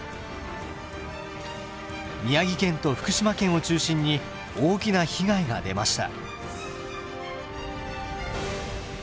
宮城県と福島県を中心に大きな被害が出ました。